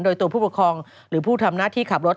โดยตัวผู้ปกครองหรือผู้ทำหน้าที่ขับรถ